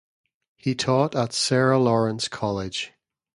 He taught at Sarah Lawrence College.